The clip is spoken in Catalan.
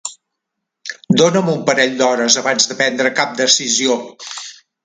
Dóna'm un parell d'hores abans de prendre cap decisió.